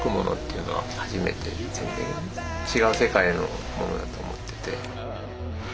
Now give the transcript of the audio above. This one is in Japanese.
違う世界のものだと思ってて。